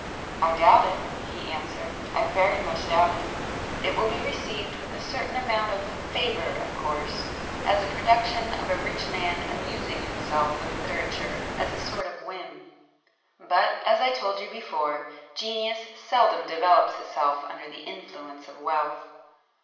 "I doubt it!" he answered—"I very much doubt it. It will be received with a certain amount of favour of course, as a production of a rich man amusing himself with literature as a sort of whim. But, as I told you before, genius seldom develops itself under the influence of wealth.